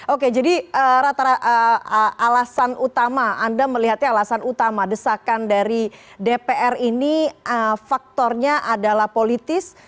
oke jadi alasan utama anda melihatnya alasan utama desakan dari dpr ini faktornya adalah politis